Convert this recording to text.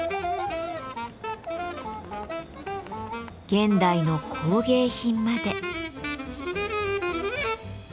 現代の工芸品まで。